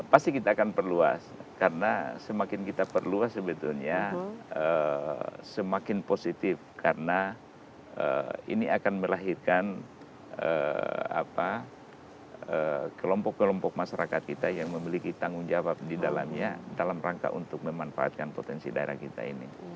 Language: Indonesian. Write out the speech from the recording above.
pasti kita akan perluas karena semakin kita perluas sebetulnya semakin positif karena ini akan melahirkan kelompok kelompok masyarakat kita yang memiliki tanggung jawab di dalamnya dalam rangka untuk memanfaatkan potensi daerah kita ini